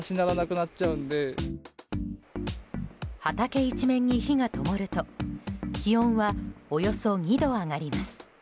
畑一面に火がともると気温はおよそ２度上がります。